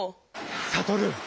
サトル。